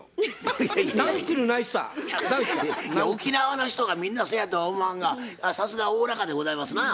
いや沖縄の人がみんなそやとは思わんがさすがおおらかでございますなぁ。